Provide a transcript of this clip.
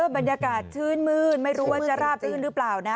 บรรยากาศชื่นมื้นไม่รู้ว่าจะราบรื่นหรือเปล่านะ